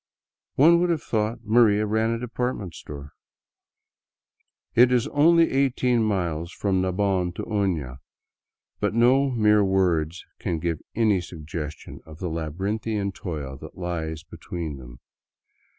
One would have thought Maria ran a department store. It is only eighteen miles from Nabon to Oiia, but no mere words can give any suggestion of the labyrinthian toil that lies between them.